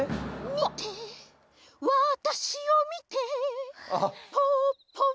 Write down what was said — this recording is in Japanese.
「みてわたしをみて」「ポッポをみて」